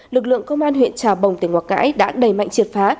lực lượng công an huyện trà bồng tiền hoặc cãi đã đầy mạnh triệt phá